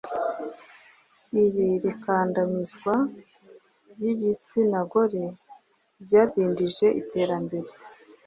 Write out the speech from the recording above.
Iri kandamizwa ry’igitsina gore ryadindije iterambere